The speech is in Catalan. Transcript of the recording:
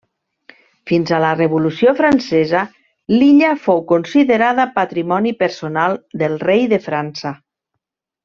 Fins a la Revolució Francesa l'illa fou considerada patrimoni personal del Rei de França.